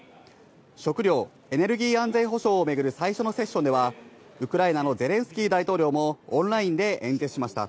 食料・エネルギー安全保障を巡る最初のセッションでは、ウクライナのゼレンスキー大統領もオンラインで演説しました。